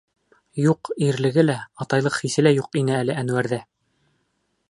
Юҡ, ирлеге лә, атайлыҡ хисе лә юҡ ине әле Әнүәрҙә.